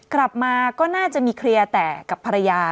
กลับมาก็น่าจะมีเคลียร์แต่กับภรรยา